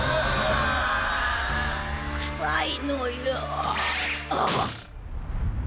くさいのよ。